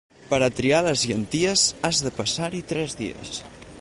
Per a triar les llenties has de passar-hi tres dies.